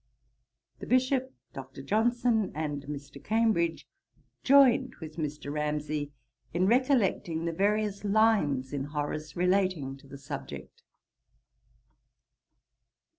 The Bishop, Dr. Johnson, and Mr. Cambridge, joined with Mr. Ramsay, in recollecting the various lines in Horace relating to the subject.